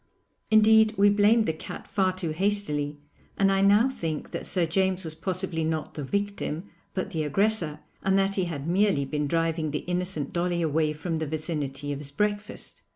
Indeed, we blamed the cat far too hastily, and I now think that Sir James was possibly not the victim, but the aggressor, and that he had merely been driving the innocent Dolly away from the vicinity of his breakfast.